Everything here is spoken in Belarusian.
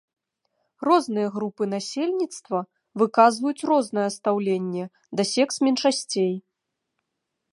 Розныя групы насельніцтва выказваюць рознае стаўленне да секс-меншасцей.